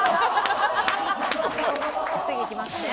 次いきますね。